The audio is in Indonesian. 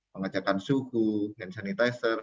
pengecekan suhu hand sanitizer